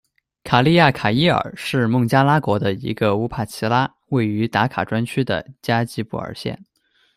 卡利亚卡伊尔是孟加拉国的一个乌帕齐拉，位于达卡专区的加济布尔县。